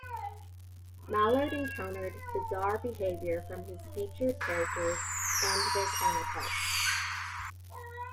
Mallard encountered bizarre behaviour from his featured characters and their counterparts.